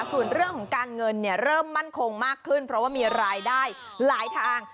ส่วนเรื่องของการเงินเริ่มมั่นคงมากขึ้นเพราะว่ามีรายได้หลายทาง